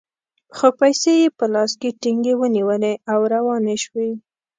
خو پیسې یې په لاس کې ټینګې ونیولې او روانې شوې.